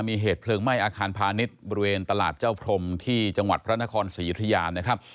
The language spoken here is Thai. มีเหตุเพลิงไหม้อาคารพาณิชย์บริเวณตลาดเจ้าพรมที่จังหวัดพระนครศรียุธยานะครับ